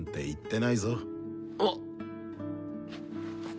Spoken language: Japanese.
あっ。